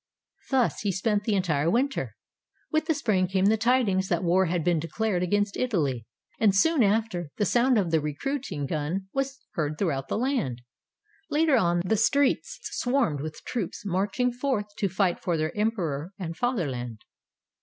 Thus he spent the entire winter. With the spring came the tidings that war had been declared against Italy. And soon after, the sound of the recruiting gun was heard throughout the land. Later on, the streets swarmed with troops marching forth to fight for their Emperor and Fatherland.